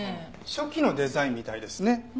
初期のデザインみたいですね。